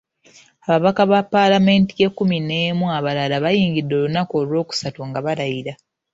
Ababaka ba Paalamenti y’ekkumi n'emu abalala bayingidde olunaku olwokusatu nga balayira.